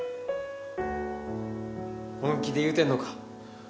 本気で言うてんのか？